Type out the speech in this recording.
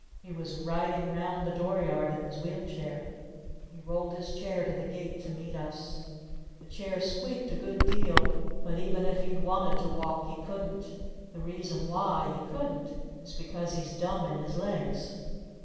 He was riding round the door yard in his wheel chair. He rolled his chair to the gate to meet us. The chair squeaked a good deal. But even if he'd wanted to walk he couldn't. The reason why he couldn't is because he's dumb in his legs.